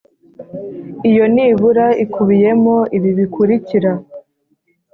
iyo nibura ikubiyemo ibi bikurikira.